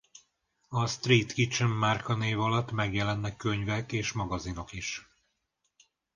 A Street Kitchen márkanév alatt megjelennek könyvek és magazinok is.